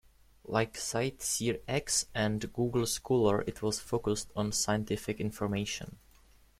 Like CiteSeerX and Google Scholar, it was focused on scientific information.